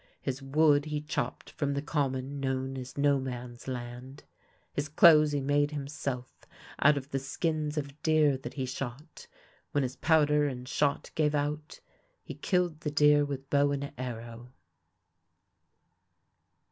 His wood he chopped from the common known as No Man's Land. His clothes he made him self out of the skins of deer that he shot ; when his pow der and shot gave out he killed the deer with bow and arrow.